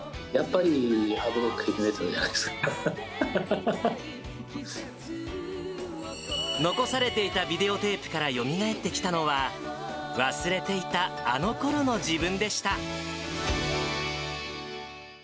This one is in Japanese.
やっぱりハードロックとかヘ残されていたビデオテープからよみがえってきたのは、忘れていたあのころの自分でした。